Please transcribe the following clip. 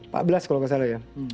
empat belas kalau nggak salah ya